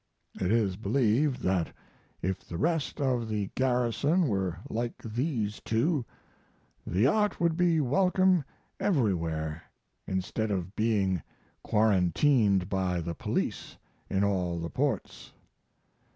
It is believed that if the rest of the garrison were like these two the yacht would be welcome everywhere instead of being quarantined by the police in all the ports.